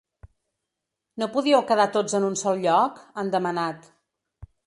“No podíeu quedar tots en un sol lloc?”, han demanat.